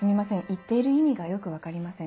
言っている意味がよく分かりません。